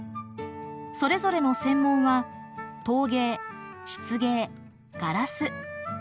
それぞれの専門は陶芸漆芸ガラス。